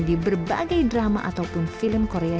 di berbagai drama ataupun film korea